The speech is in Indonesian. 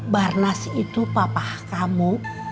barnas itu bapak kamu